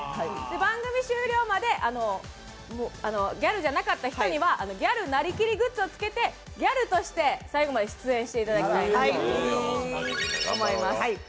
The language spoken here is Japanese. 番組終了までギャルじゃなかった人にはギャルなりきりグッズをつけてギャルとして最後まで出演していただきたいと思います。